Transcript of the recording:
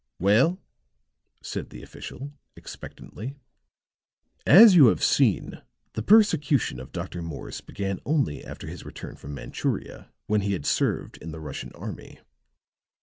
"Well?" said the official, expectantly. "As you have seen, the persecution of Dr. Morse began only after his return from Manchuria, where he had served in the Russian army.